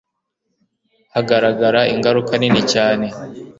hagaragara ingaruka nini cyane